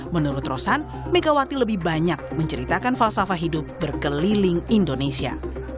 menurut rosan megawati lebih banyak menceritakan falsafah hidup berkeliling indonesia